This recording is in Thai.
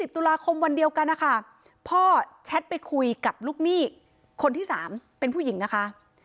ตุลาคมวันเดียวกันนะคะพ่อแชทไปคุยกับลูกหนี้คนที่๓เป็นผู้หญิงนะคะ